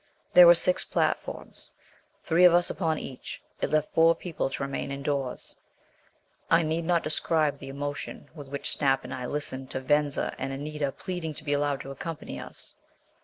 There were six platforms three of us upon each. It left four people to remain indoors. I need not describe the emotion with which Snap and I listened to Venza and Anita pleading to be allowed to accompany us.